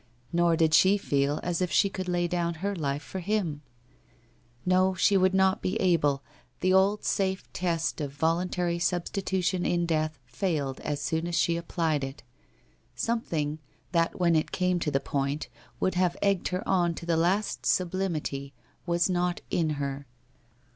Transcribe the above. Nor did she feel as if she could lay down her life for him ?... No, she would not be able. The old safe test of volun tary substitution in death failed as soon as she applied it. Something, that when it came to the point, would have egged her on to the last sublimity, was not in her.